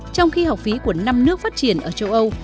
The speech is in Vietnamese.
trong khi học phí của năm nước phát triển ở châu âu